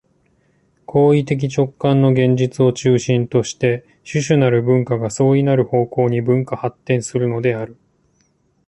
行為的直観の現実を中心として種々なる文化が相異なる方向に分化発展するのである。